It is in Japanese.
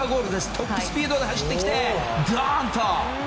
トップスピードで走ってきてドンと！